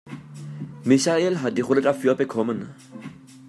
Michael hat die Rolle dafür bekommen.